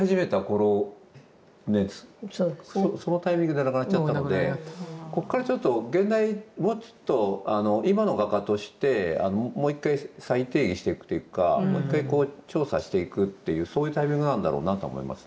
そのタイミングで亡くなっちゃったのでこっからちょっと現代もうちょっと今の画家としてもう一回再定義していくというかもう一回調査していくっていうそういうタイミングなんだろうなとは思いますね。